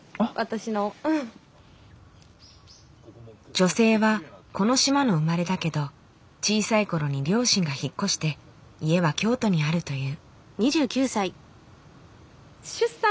女性はこの島の生まれだけど小さいころに両親が引っ越して家は京都にあるという。